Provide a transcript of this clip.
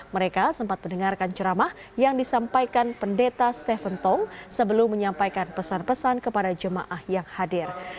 mereka sempat mendengarkan ceramah yang disampaikan pendeta stephen tong sebelum menyampaikan pesan pesan kepada jemaah yang hadir